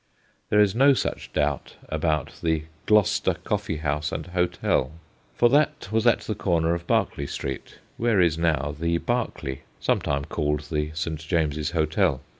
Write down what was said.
There is no such doubt about * The Gloster Coffee house and Hotel,' for that was at the corner of Berkeley Street, where is now 1 The Berkeley/ sometime called 'The St. James's Hotel.'